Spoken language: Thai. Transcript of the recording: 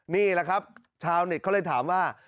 นี่แหละครับชาวเน็ตเขาเลยถามว่า